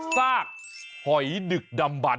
ซากหอยดึกดำบัน